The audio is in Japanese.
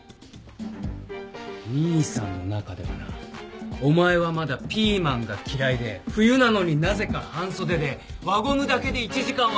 兄さんの中ではなお前はまだピーマンが嫌いで冬なのになぜか半袖で輪ゴムだけで１時間は遊べる